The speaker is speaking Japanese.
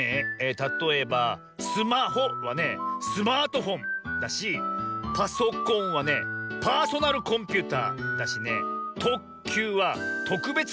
たとえばスマホはねスマートフォンだしパソコンはねパーソナルコンピューターだしねとっきゅうはとくべつ